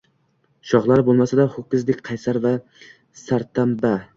Shoxlari bo’lmasa-da, ho’kizdek qaysar va sartamba.